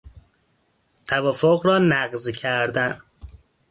توافق را نقض کردن